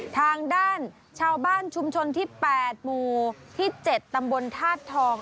ทางด้านชาวบ้านชุมชนที่๘หมู่ที่๗ตำบลธาตุทอง